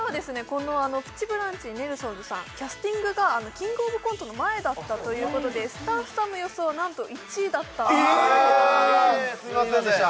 この「プチブランチ」ネルソンズさんキャスティングが「キングオブコント」の前だったということでスタッフさんの予想はなんと１位だったんですえすいませんでした